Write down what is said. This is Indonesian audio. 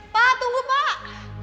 pak tunggu pak